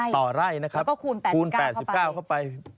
ต่อไร่นะครับแล้วก็คูณ๘๙เข้าไป